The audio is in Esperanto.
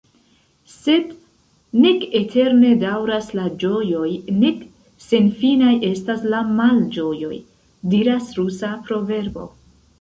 Sed « nek eterne daŭras la ĝojoj, nek senfinaj estas la malĝojoj », diras rusa proverbo.